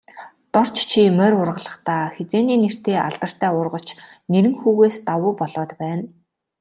Дорж чи морь уургалахдаа, хэзээний нэртэй алдартай уургач Нэрэнхүүгээс давуу болоод байна.